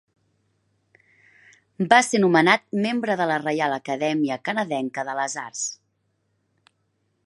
Va ser nomenat membre de la Reial Acadèmia Canadenca de les Arts.